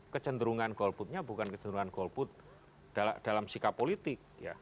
kecenderungan golputnya bukan kecenderungan golput dalam sikap politik